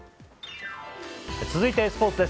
続いてスポーツです。